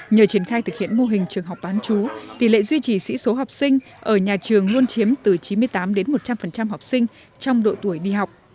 nhờ triển khai thực hiện mô hình trường học bán chú tỷ lệ duy trì sĩ số học sinh ở nhà trường luôn chiếm từ chín mươi tám đến một trăm linh học sinh trong độ tuổi đi học